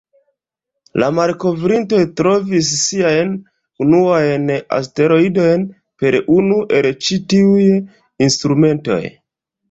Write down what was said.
La malkovrintoj trovis siajn unuajn asteroidojn per unu el ĉi-tiuj instrumentoj.